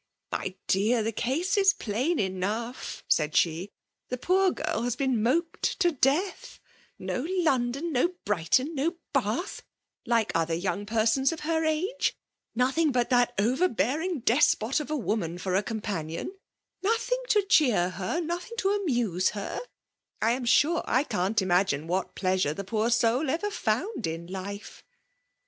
My dear, the ease is plain enough !'' said she. "The poor girl has been nn^d to deaih No London, no Brighton, no Bath, like other young persons of her age ;— nothing but that overbearing despot of a woman for a companion, nothing to cheer her, nothing to amuse her; — I am sure I can't imagine what pleasure the poor soul ever found in life."